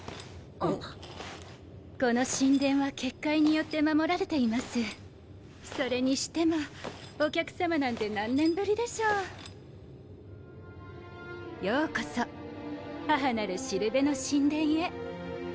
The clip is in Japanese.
・この神殿は結界によって守られています・・それにしてもお客さまなんて何年ぶりでしょう・ようこそ母なる標の神殿へ。